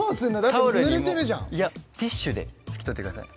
タオルよりもいやティッシュで拭き取ってください